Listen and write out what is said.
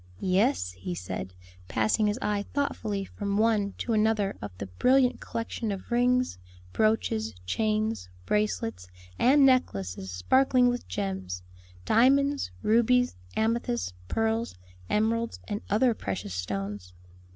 "Yes," he said, passing his eye thoughtfully from one to another of the brilliant collection of rings, brooches, chains, bracelets, and necklaces sparkling with gems diamonds, rubies, amethysts, pearls, emeralds, and other precious stones.